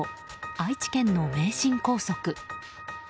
愛知県の名神高速。